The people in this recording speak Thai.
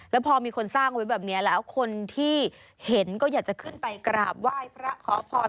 แล้วพอมีคนสร้างไว้แบบนี้แล้วคนที่เห็นก็อยากจะขึ้นไปกราบไหว้พระขอพร